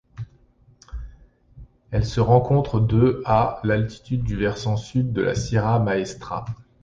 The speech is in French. Elle se rencontre de à d'altitude sur le versant Sud de la Sierra Maestra.